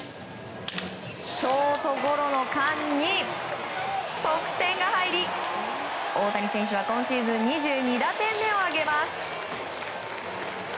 ショートゴロの間に得点が入り大谷選手は今シーズン２２打点目を挙げます。